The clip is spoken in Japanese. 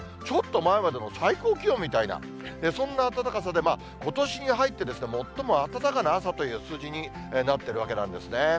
ちょっと前までの最高気温みたいな、そんな暖かさで、ことしに入って、最も暖かな朝という数字になってるわけなんですね。